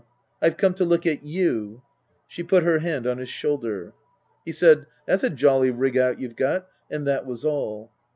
I've come to look at you /" She put her hand on his shoulder. He said, " That's a jolly rig out you've got," and that was all.